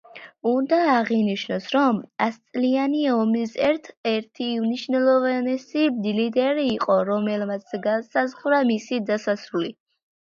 უნდა აღინიშნოს, რომ ასწლიანი ომის ერთ-ერთი უმნიშვნელოვანესი ლიდერი იყო, რომელმაც განსაზღვრა მისი დასასრული.